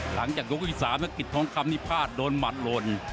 หลังจากยกอีก๓ก็กลิศทองคำพิภาชโดนหมันลด